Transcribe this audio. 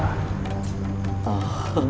kalianlah yang lebih membutuhkan makanan ini